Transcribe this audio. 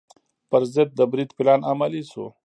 پر ضد د برید پلان عملي شو.